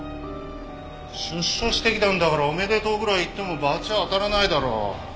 出所してきたんだから「おめでとう」ぐらい言っても罰は当たらないだろ。